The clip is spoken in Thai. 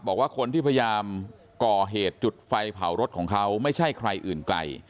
บอกว่าคนที่พยายามก่อเหตุจุดไฟเผารถของเขาไม่ใช่ใครอื่นไกล